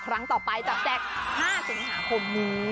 ครั้งต่อไปจากแจก๕๐หาคม